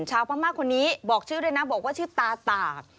ชาวพม่าคนนี้บอกชื่อด้วยนะบอกว่าชื่อตาตาก